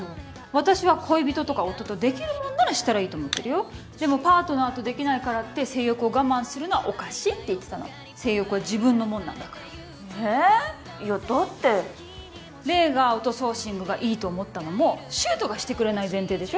私は恋人とか夫とできるもんならシたらいいと思ってるよでもパートナーとできないからって性欲を我慢するのはおかしいって言ってたの性欲は自分のもんなんだからええいやだって黎がアウトソーシングがいいと思ったのも柊人がシてくれない前提でしょ